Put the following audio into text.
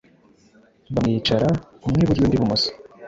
Bamwicara umwe iburyo undi ibumoso,